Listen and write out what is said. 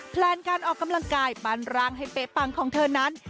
แลนการออกกำลังกายปั้นร่างให้เป๊ะปังของเธอนั้น